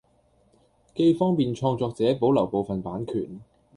既方便創作者保留部份版權